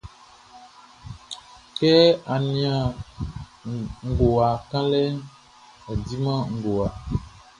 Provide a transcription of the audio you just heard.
Kɛ á nían ngowa kanlɛʼn, ɔ diman ngowa.